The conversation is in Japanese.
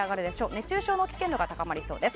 熱中症の危険度が高まりそうです。